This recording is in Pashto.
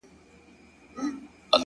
چی په عُقدو کي عقیدې نغاړي تر عرسه پوري،